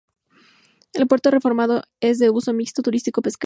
El puerto, reformado, es de uso mixto turístico-pesquero.